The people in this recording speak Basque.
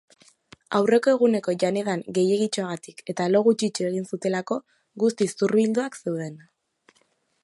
Aurreko eguneko jan-edan gehiegitxoagatik eta lo gutxitxo egin zutelako guztiz zurbildurik zeuden.